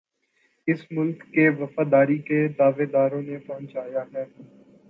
اس ملک کے وفاداری کے دعوے داروں نے پہنچایا ہے